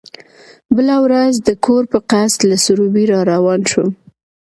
بله ورځ د کور په قصد له سروبي را روان شوم.